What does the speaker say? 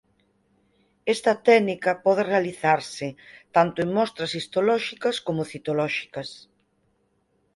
Esta técnica pode realizarse tanto en mostras histolóxicas como citolóxicas.